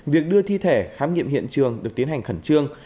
việc đưa thi thể khám nghiệm hiện trường được tiến hành khẩn trương